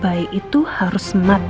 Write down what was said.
baik itu harus mati